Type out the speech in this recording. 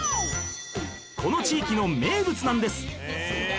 この地域の名物なんです